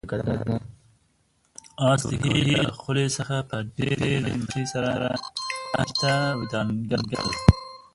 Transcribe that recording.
آس د کوهي له خولې څخه په ډېرې مستۍ سره بهر ته ودانګل.